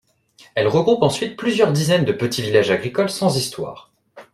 Elle regroupe ensuite plusieurs dizaines de petits villages agricoles sans histoires.